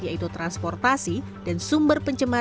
yaitu transportasi dan sumber pencemaran